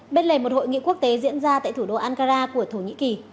bên lề một hội nghị quốc tế diễn ra tại thủ đô ankara của thổ nhĩ kỳ